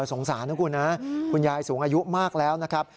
สงสารนะคุณนะคุณยายสูงอายุมากแล้วนะครับ